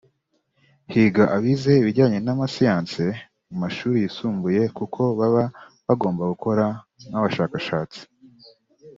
“Higa abize ibijyanye n’amasiyanse mu mashuri yisumbuye kuko baba bagomba gukora nk’ abashakashatsi